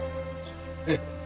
ええ。